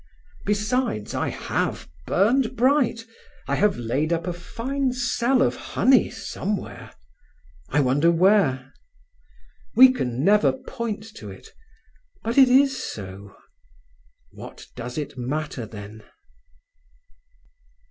Besides, I have burned bright; I have laid up a fine cell of honey somewhere—I wonder where? We can never point to it; but it is so—what does it matter, then!"